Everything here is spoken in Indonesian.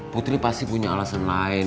putri pasti punya alasan lain